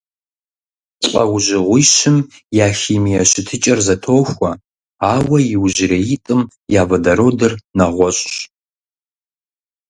ЛӀэужьыгъуищым я химие щытыкӀэр зэтохуэ, ауэ иужьреитӀым я водородыр нэгъуэщӀщ.